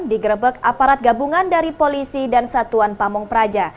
digrebek aparat gabungan dari polisi dan satuan pamung praja